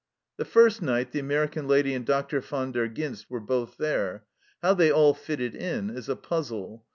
The first night the American lady and Dr, van der Ghinst were both there. How they all fitted in is a puzzle.